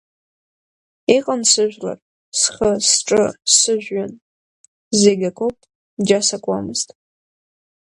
Иҟан сыжәлар, схы аҿы сыжәҩан, зегьы акоуп џьа сакуамызт.